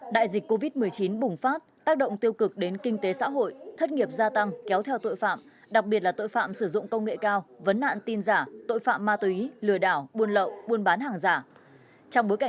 đại dịch covid một mươi chín bùng phát tác động tiêu cực đến kinh tế xã hội thất nghiệp gia tăng kéo theo tội phạm đặc biệt là tội phạm sử dụng công nghệ cao vấn nạn tin giả tội phạm ma túy lừa đảo buôn lậu buôn bán hàng giả